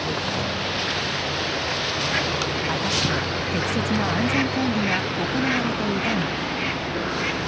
果たして適切な安全管理が行われていたのか。